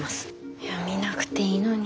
いや見なくていいのに。